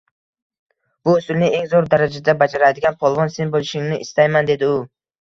Bu usulni eng zoʻr darajada bajaradigan polvon sen boʻlishingni istayman, dedi u